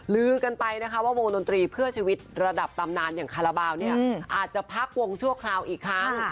ลือกันไปนะคะว่าวงดนตรีเพื่อชีวิตระดับตำนานอย่างคาราบาลเนี่ยอาจจะพักวงชั่วคราวอีกครั้ง